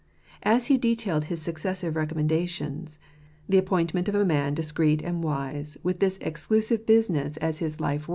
As he detailed his successive recommendations : the appointment of a man discreet and wise with this exclusive business as his 31 toonircrful asrcnt.